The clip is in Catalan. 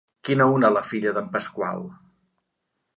Quina una la filla d'en Pasqual!